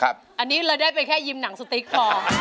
อันนี้เลยได้ไปแค่ยิมหนังสติ๊กพอ